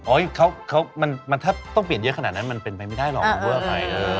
โอ้ยเขามันถ้าต้องเปลี่ยนเยอะขนาดนั้นมันเป็นไปไม่ได้หรอกเพื่อใคร